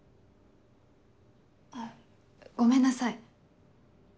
あごめんなさい。